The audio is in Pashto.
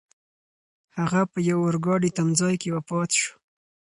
هغه په یوه اورګاډي تمځای کې وفات شو.